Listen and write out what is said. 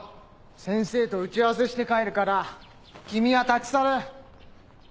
先生と打ち合わせして帰るから君は立ち去れ。